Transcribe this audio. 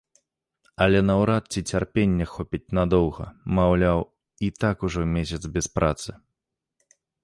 Але наўрад ці цярпення хопіць надоўга, маўляў, і так ужо месяц без працы.